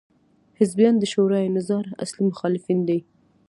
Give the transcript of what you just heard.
حزبیان د شورا نظار اصلي مخالفین دي.